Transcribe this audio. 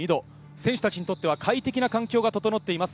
選手たちにとっては快適な環境が整っています。